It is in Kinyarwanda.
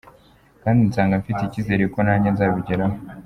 kandi nsanga mfite ikizere ko nanjye nzabigeraho.